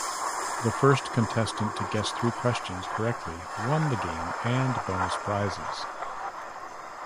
The first contestant to guess three questions correctly won the game and bonus prizes.